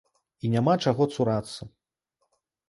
І няма чаго цурацца.